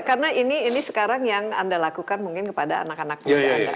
karena ini sekarang yang anda lakukan mungkin kepada anak anak muda anda